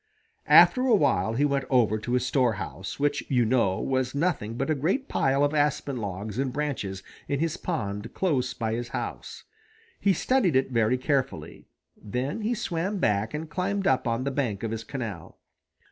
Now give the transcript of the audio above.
After a while he went over to his storehouse, which, you know, was nothing but a great pile of aspen logs and branches in his pond close by his house. He studied it very carefully. Then he swam back and climbed up on the bank of his canal.